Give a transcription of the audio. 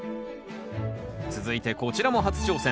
続いてこちらも初挑戦。